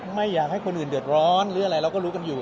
ไม่อยากให้คนอื่นเดือดร้อนหรืออะไรเราก็รู้กันอยู่